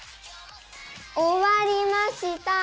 おわりました！